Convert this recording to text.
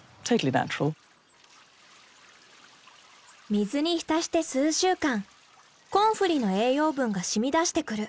水に浸して数週間コンフリーの栄養分が染み出してくる。